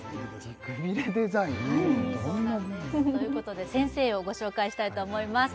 はいそうなんですということで先生をご紹介したいと思います